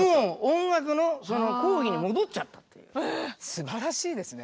すばらしいですね。